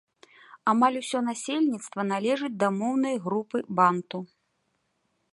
Амаль усё насельніцтва належыць да моўнай групы банту.